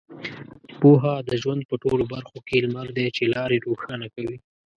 پوهه د ژوند په ټولو برخو کې لمر دی چې لارې روښانه کوي.